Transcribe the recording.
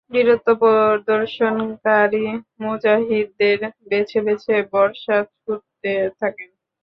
বীরত্ব প্রদর্শনকারী মুজাহিদদের বেছে বেছে বর্শা ছুড়তে থাকেন।